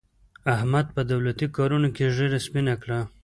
احمد په دولتي کارونو کې ږېره سپینه کړه.